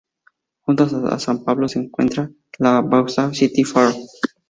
Junto a San Pedro se encuentra la Vauxhall City Farm.